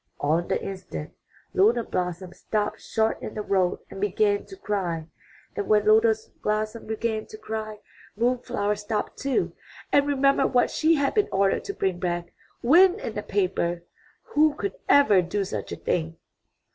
On the instant, Lotus blossom stopped short in the road and began to cry. And when Lotus blossom began 272 UP ONE PAIR OF STAIRS to cry, Moon flower stopped too and remembered what she had been ordered to bring back — wind in a paper! Who could ever do such a thing?